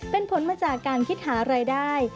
เป็นผลมาจากการคิดหารายได้